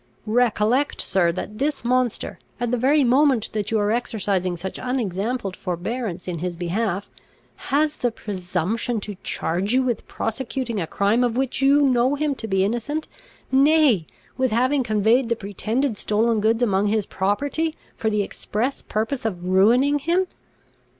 Recollect, sir, that this monster, at the very moment that you are exercising such unexampled forbearance in his behalf, has the presumption to charge you with prosecuting a crime of which you know him to be innocent, nay, with having conveyed the pretended stolen goods among his property, for the express purpose of ruining him.